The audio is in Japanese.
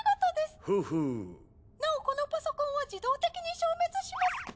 なおこのパソコンは自動的に消滅します